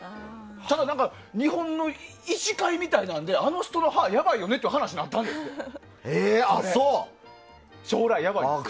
ただ、日本の医師会みたいなところであの人の歯やばいよねみたいな話になったんやって。